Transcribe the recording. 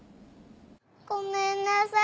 ごめんなさい。